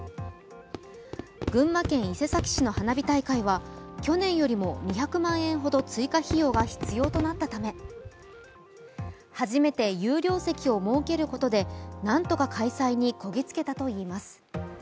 群馬県伊勢崎市の花火大会は去年よりも２００万円ほど追加費用が必要となったため、初めて有料席を設けることで何とか開催にこぎつけたといいます。